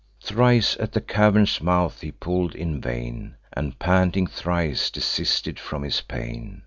Thrice at the cavern's mouth he pull'd in vain, And, panting, thrice desisted from his pain.